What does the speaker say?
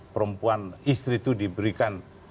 perempuan istri itu diberikan